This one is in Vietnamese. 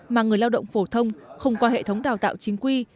mà người lao động phổ thông không qua hệ thống đào tạo chính quy